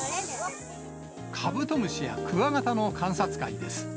カブトムシやクワガタの観察会です。